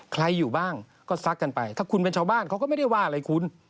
ใครอยู่บ้างก็ซักกันไปถ้าคุณเป็นชาวบ้านเขาก็ไม่ได้ว่าอะไรคุณ